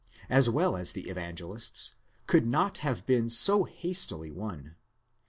as well as the evangelists, could not have: been so hastily won.!